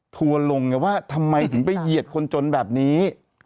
ทัวร์ลงไงว่าทำไมถึงไปเหยียดคนจนแบบนี้